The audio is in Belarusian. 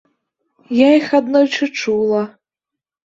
Я іх аднойчы чула.